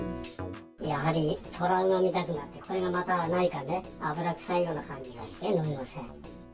やはりトラウマみたくなって、それがまた、何かね、油臭いような感じがして、飲めません。